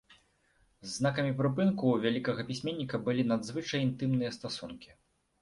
З знакамі прыпынку ў вялікага пісьменніка былі надзвычай інтымныя стасункі.